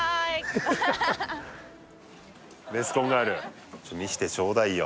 ベスコンガールちょっと見せてちょうだいよ